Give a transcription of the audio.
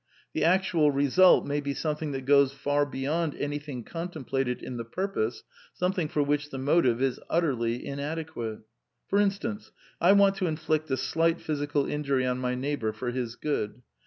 The actual result may be something that goes far beyond anything contemplated in the purpose, something for which the motive is utterly inadequate. For instance, I want to inflict a slight physical injury on my neighbour for his good.